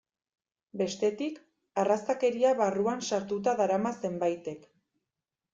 Bestetik, arrazakeria barruan sartuta darama zenbaitek.